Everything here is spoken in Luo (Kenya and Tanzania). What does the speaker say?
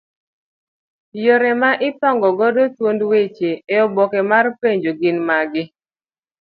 Yore ma ipango godo thuond weche eoboke mar penjo gin magi